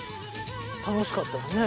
楽しかったわね